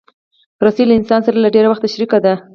رسۍ له انسان سره له ډېر وخته شریکه ده.